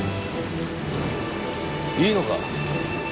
いいのか？